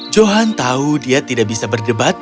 johan tahu dia tidak bisa berdebat